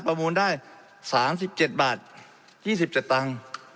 มูลได้๓๗บาท๒๗ตังค์